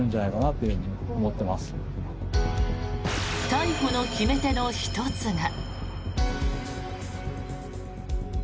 逮捕の決め手の１つが。